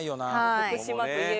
福島といえば。